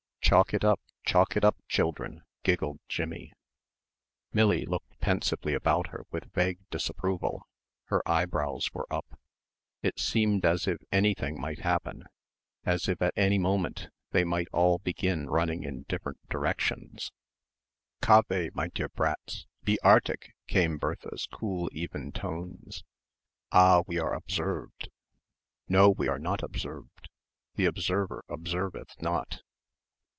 "Chalk it up. Chalk it up, children," giggled Jimmie. Millie looked pensively about her with vague disapproval. Her eyebrows were up. It seemed as if anything might happen; as if at any moment they might all begin running in different directions. "Cave, my dear brats, be artig," came Bertha's cool even tones. "Ah! we are observed." "No, we are not observed. The observer observeth not."